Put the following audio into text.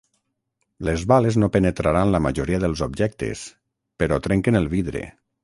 Les bales no penetraran la majoria dels objectes, però trenquen el vidre.